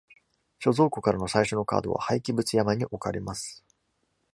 貯蔵庫からの最初のカードは廃棄物山に置かれます。